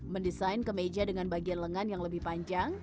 mendesain kemeja dengan bagian lengan yang lebih panjang